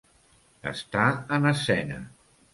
Estar en escena.